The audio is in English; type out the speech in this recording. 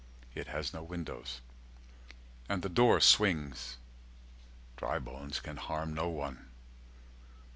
It has no windows, and the door swings, Dry bones can harm no one.